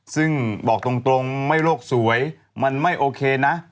ซึ่งบอกตรงไม่โลกสวยมันไม่โอเคนะ